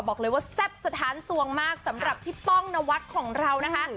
บอกเลยว่าแซ่บสถานสวงมากสำหรับพี่ป้องนวัดของเรานะคะ